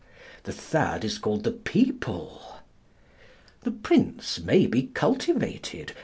The third is called the People. The Prince may be cultivated.